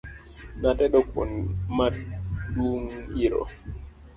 Natedo kuon ma dung' iro